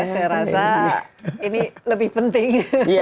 saya rasa ini lebih penting